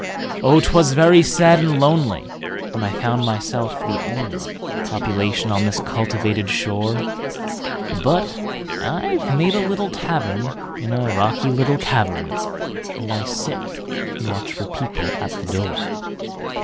Oh! 'twas very sad and lonelyWhen I found myself the onlyPopulation on this cultivated shore; But I've made a little tavernIn a rocky little cavern, And I sit and watch for people at the door.